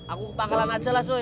aku kepakalan aja lah cuy